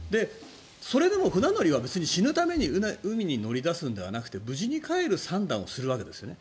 それでも船乗りは別に死ぬために海に乗り出すのではなくて無事に帰る算段をするわけですね。